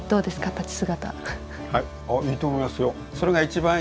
立ち姿。